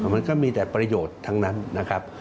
มันก็มีแต่ประโยชน์ทั้งนั้นนะครับ